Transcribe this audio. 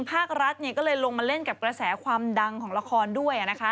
ภาครัฐก็เลยลงมาเล่นกับกระแสความดังของละครด้วยนะคะ